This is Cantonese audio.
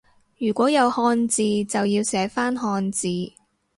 如果有漢字就要寫返漢字